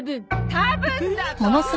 「たぶん」だと！？